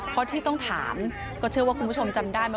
เพราะที่ต้องถามก็เชื่อว่าคุณผู้ชมจำได้ไหม